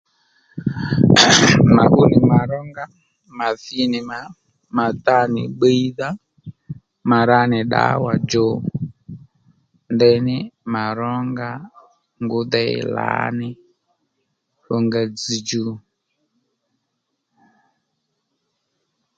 Ma gbú nì mà rónga ma thi nì mà mà ta nì bbiydha mà ra nì ddǎwà djò ndeyní mà rónga ngú dey lǎní f'unga dzzdjú